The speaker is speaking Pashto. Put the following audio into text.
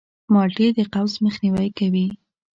مالټې د قبض مخنیوی کوي.